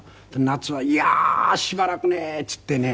夏は「いやーしばらくね」っつってね。